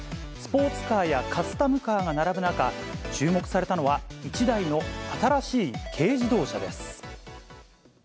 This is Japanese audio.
スポーツカーやカスタムカーが並ぶ中、注目されたのは１台の新しい軽自動車です。